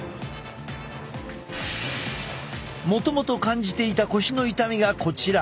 もともと感じていた腰の痛みがこちら。